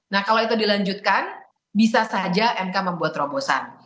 nah kalau itu dilanjutkan bisa saja mk membuat terobosan